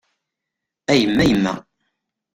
A yemma yemma!